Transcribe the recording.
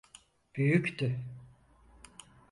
Büyüktü.